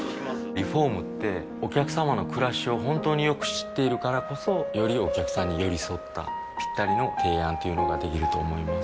リフォームってお客様の暮らしを本当によく知っているからこそよりお客様に寄り添ったぴったりの提案というのができると思います